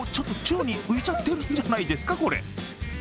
宙に浮いちゃってるんじゃないですか、これ。